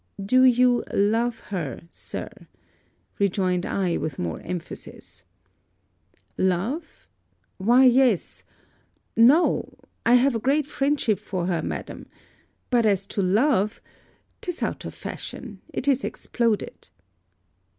'Do you love her, sir?' rejoined I with more emphasis. 'Love! why yes no! I have a great friendship for her, madam. But as to love 'tis out of fashion it is exploded.'